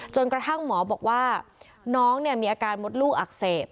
กระทั่งหมอบอกว่าน้องมีอาการมดลูกอักเสบ